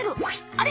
あれ？